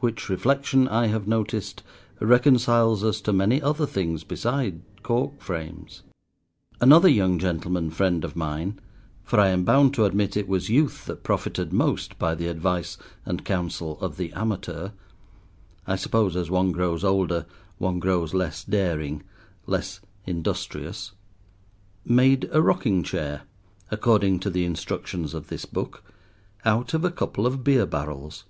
Which reflection, I have noticed, reconciles us to many other things beside cork frames. Another young gentleman friend of mine—for I am bound to admit it was youth that profited most by the advice and counsel of The Amateur: I suppose as one grows older one grows less daring, less industrious—made a rocking chair, according to the instructions of this book, out of a couple of beer barrels.